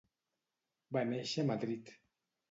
Va néixer a Madrid.